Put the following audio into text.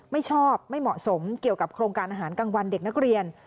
ไม่ชอบไม่เหมาะสมเกี่ยวกับโครงการอาหารกลางวันเด็กนักเรียน